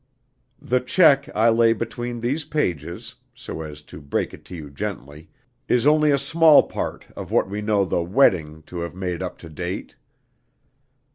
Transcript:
The check I lay between these pages (so as to break it to you gently) is only a small part of what we know the 'Wedding' to have made up to date.